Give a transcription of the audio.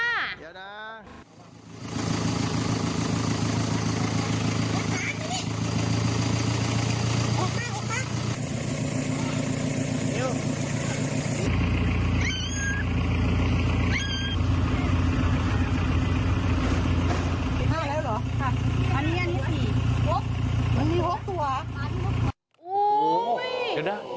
เดี๋ยวนะ